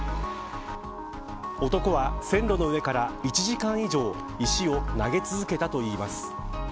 男は線路の上から１時間以上石を投げ続けたといいます。